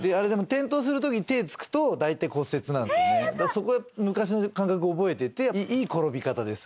そこは昔の感覚覚えてていい転び方です。